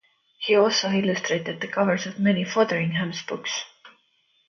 He has also illustrated the covers of many of Fotheringham's books.